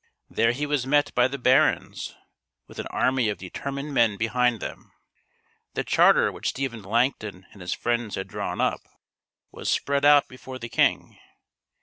There he was met by the barons, with an army of determined men behind them. The charter which Stephen Langton and his friends had drawn up was spread out before the king.